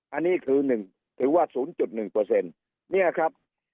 อันนี้คือหนึ่งถือว่าศูนย์จุดหนึ่งเปอร์เซ็นต์เนี่ยครับ